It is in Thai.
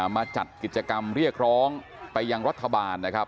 มาจัดกิจกรรมเรียกร้องไปยังรัฐบาลนะครับ